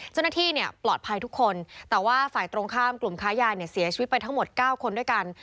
เจ้าหน้าที่เนี่ยปลอดภัยทุกคนแต่ว่าฝ่ายตรงข้ามกลุ่มค้ายาเนี่ยเสียชีวิตไปทั้งหมด๙คนด้วยกัน